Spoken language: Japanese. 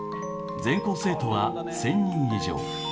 全校生徒は１，０００人以上。